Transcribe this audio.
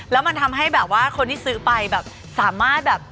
แล้วมันทำให้แบบว่าคนที่ซื้อไปแบบสามารถแบบ